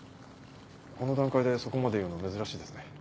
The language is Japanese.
この段階でそこまで言うの珍しいですね。